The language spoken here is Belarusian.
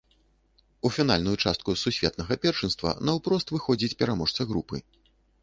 У фінальную частку сусветнага першынства наўпрост выходзіць пераможца групы.